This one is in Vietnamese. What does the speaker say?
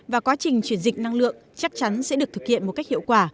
và quá trình chuyển dịch năng lượng chắc chắn sẽ được thực hiện một cách hiệu quả